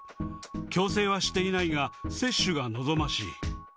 強制はしていないが、接種が望ましい。